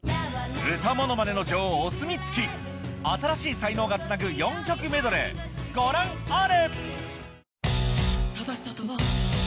歌ものまねの女王お墨付き新しい才能がつなぐ４曲メドレーご覧あれ！